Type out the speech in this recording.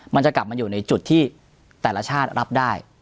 มันจะกลับมาอยู่ในจุดที่แต่ละชาติรับได้